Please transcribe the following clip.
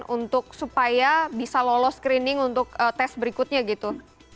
untuk supaya bisa lolos screening untuk tes berikutnya gitu